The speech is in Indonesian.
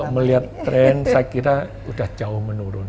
melihat tren saya kira sudah jauh menurun